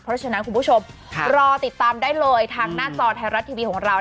เพราะฉะนั้นคุณผู้ชมรอติดตามได้เลยทางหน้าจอไทยรัฐทีวีของเรา